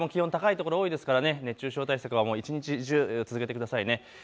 この時間も気温、高い所が多いですから熱中症対策は一日中続けてくださいね。